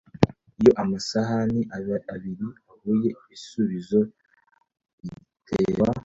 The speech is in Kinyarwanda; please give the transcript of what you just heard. Iyo amasahani abiri ahuye ibisubizo biterwa